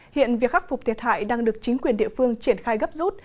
hiện việc khắc phục thiệt hại đang được chính quyền địa phương triển khai gấp rút